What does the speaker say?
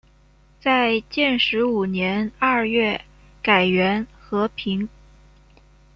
在建始五年二月改元河平。